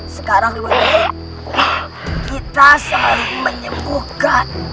sekarang ini kita saling menyembuhkan